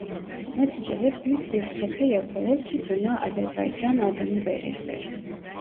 Neticede büyük bir tepe yapılır ki buna "Azerbaycan" adını verirler.